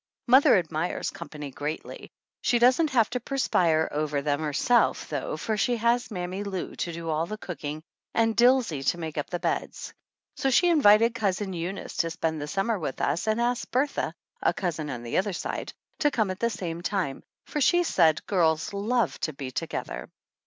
Mother ad mires company greatly. She doesn't have to perspire over them herself, though, for she has Mammy Lou to do all the cooking and Dilsey to 9 THE ANNALS OF ANN make up the beds. So she invited Cousin Eunice to spend the summer with us and asked Bertha, a cousin on the other side, to come at the same time, for she said girls love to be together.